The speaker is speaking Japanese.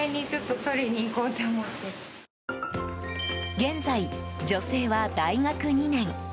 現在、女性は大学２年。